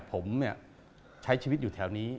ผมใช้ชีวิตอยู่แถวนี้